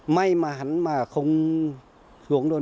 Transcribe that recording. may mà hắn mà không xuống được